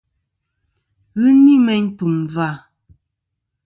Ghɨ ni meyn tùm vâ.